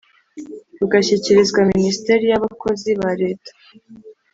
rugashyikirizwa minisiteri ya bakozi ba leta